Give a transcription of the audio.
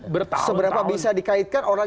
bertahun tahun seberapa bisa dikaitkan orang